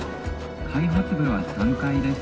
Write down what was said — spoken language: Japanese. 「開発部は３階です」。